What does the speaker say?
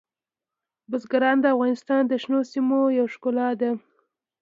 بزګان د افغانستان د شنو سیمو یوه ښکلا ده.